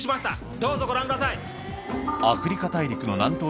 どうぞご覧ください。